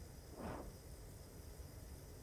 Es sede del condado de Robeson.